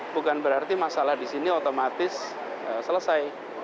bukan berarti masalah di sini otomatis selesai